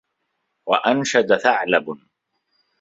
وَأَنْشَدَ ثَعْلَبٌ